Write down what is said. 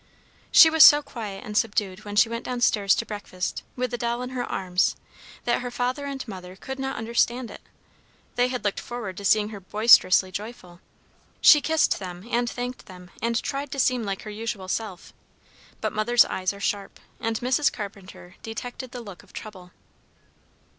She was so quiet and subdued when she went downstairs to breakfast, with the doll in her arms, that her father and mother could not understand it. They had looked forward to seeing her boisterously joyful. She kissed them, and thanked them, and tried to seem like her usual self, but mothers' eyes are sharp, and Mrs. Carpenter detected the look of trouble.